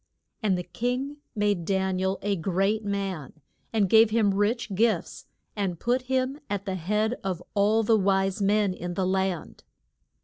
And the king made Dan i el a great man, and gave him rich gifts, and put him at the head of all the wise men in the land.